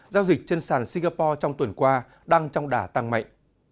giao dịch trên sàn singapore trong tuần qua đang trong đà tăng mạnh